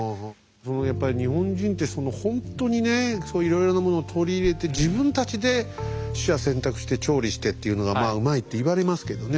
やっぱり日本人ってほんとにねいろいろなものを取り入れて自分たちで取捨選択して調理してっていうのがうまいって言われますけどね。